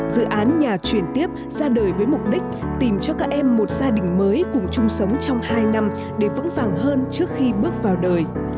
dự án nhà chuyển tiếp ra đời với mục đích tìm cho các em một gia đình mới cùng chung sống trong hai năm để vững vàng hơn trước khi bước vào đời